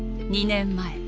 ２年前